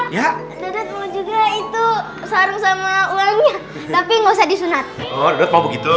mau juga itu sarung sama uangnya tapi nggak usah disunat begitu